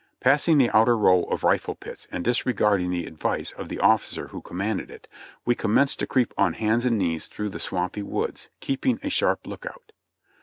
Passing the outer row of rifle pits, and disregarding the advice of the officer who commanded it, we commenced to creep on hands and knees through the swampy woods, keeping a sharp lookout.